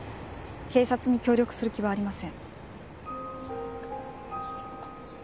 警察に協力する気はありません。